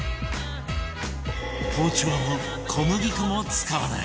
包丁も小麦粉も使わない